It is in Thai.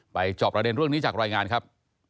จอบประเด็นเรื่องนี้จากรายงานครับ